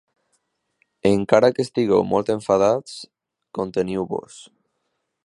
Encara que estigueu molt enfadats, conteniu-vos.